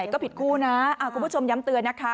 ก็ผิดคู่นะคุณผู้ชมย้ำเตือนนะคะ